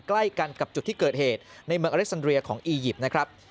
ใกล้กันกับจุดที่เกิดเหตุในเมืองอเล็กซันเรียของอียิปต์นะครับ